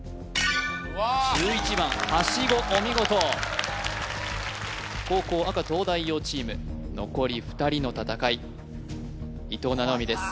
お見事後攻赤東大王チーム残り２人の戦い伊藤七海です